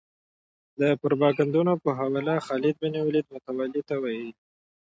د پروپاګندونو په حواله خالد بن ولید متولي ته ویلي.